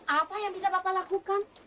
apa yang bisa bapak lakukan